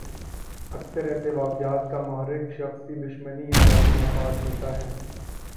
اکثر ایسے واقعات کا محرک شخصی دشمنی یا ذاتی مفاد ہوتا ہے۔